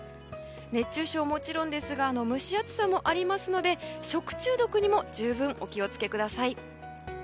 熱中症はもちろんですが蒸し暑さもありますので食中毒にも十分お気を付けください。